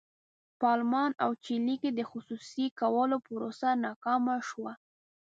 په المان او چیلي کې د خصوصي کولو پروسه ناکامه شوه.